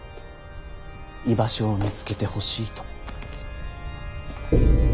居場所を見つけてほしいと。